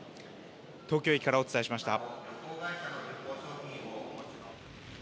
東京駅からお伝えしました。